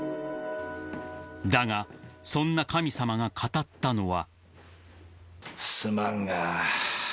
［だがそんな神様が語ったのは］